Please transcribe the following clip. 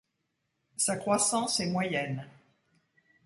Sa croissance est moyenne.